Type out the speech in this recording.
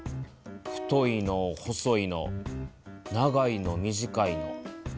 太いの細いの長いの短いの。